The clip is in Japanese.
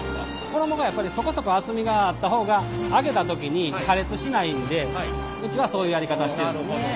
衣がやっぱりそこそこ厚みがあった方が揚げた時に破裂しないんでうちはそういうやり方してるんですね。